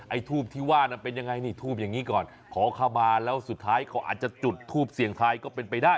ทูบที่ว่านั้นเป็นยังไงนี่ทูบอย่างนี้ก่อนขอเข้ามาแล้วสุดท้ายเขาอาจจะจุดทูปเสียงทายก็เป็นไปได้